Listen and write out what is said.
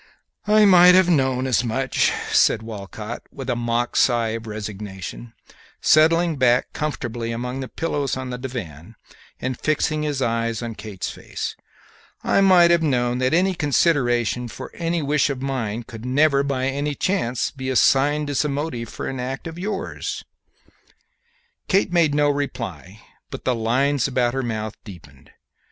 "I might have known as much," said Walcott, with a mock sigh of resignation, settling back comfortably among the pillows on the divan and fixing his eyes on Kate's face; "I might have known that consideration for any wish of mine could never by any chance be assigned as the motive for an act of yours." Kate made no reply, but the lines about her mouth deepened.